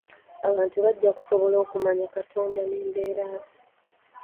Abantu bajja kusobola okumanya Katonda n'embeera ze.